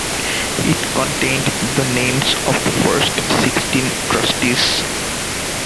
It contained the names of the first sixteen trustees.